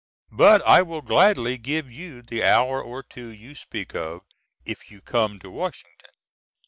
But I will gladly give you the hour or two you speak of if you come to Washington.